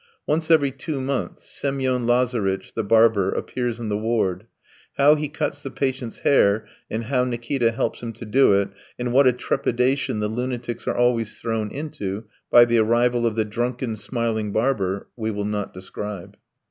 Once every two months Semyon Lazaritch, the barber, appears in the ward. How he cuts the patients' hair, and how Nikita helps him to do it, and what a trepidation the lunatics are always thrown into by the arrival of the drunken, smiling barber, we will not describe.